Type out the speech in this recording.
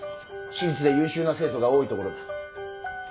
私立で優秀な生徒が多いところだ。